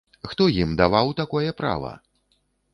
Хто ім даваў такое права?